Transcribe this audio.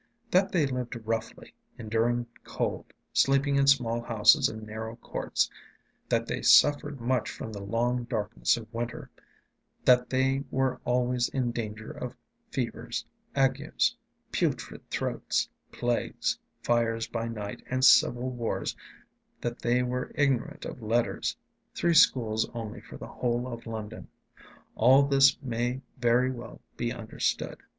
That they lived roughly, enduring cold, sleeping in small houses in narrow courts; that they suffered much from the long darkness of winter; that they were always in danger of fevers, agues, "putrid" throats, plagues, fires by night, and civil wars; that they were ignorant of letters, three schools only for the whole of London, all this may very well be understood.